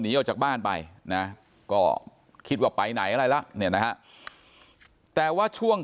ออกจากบ้านไปนะก็คิดว่าไปไหนอะไรแล้วเนี่ยนะฮะแต่ว่าช่วง